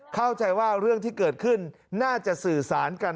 เข้าใจว่าเรื่องที่เกิดขึ้นน่าจะสื่อสารกัน